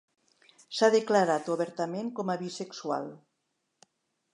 S'ha declarat obertament com a bisexual.